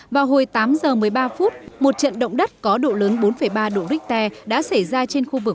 vào hồi tám giờ một mươi ba phút một trận động đất có độ lớn bốn ba độ richter đã xảy ra trên khu vực